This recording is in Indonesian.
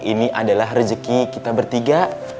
ini adalah rezeki kita bertiga